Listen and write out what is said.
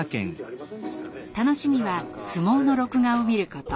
楽しみは相撲の録画を見ること。